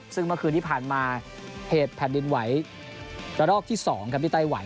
ซึ่งเมื่อคืนที่ผ่านมาเหตุแผ่นดินไหวระลอกที่๒ครับที่ไต้หวัน